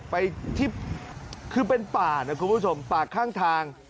ไปที่คือเป็นป่านะคุณผู้ชมป่าข้างทาง